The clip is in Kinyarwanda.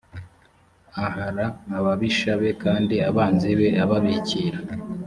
ah ra ababisha be kandi abanzi be ababikira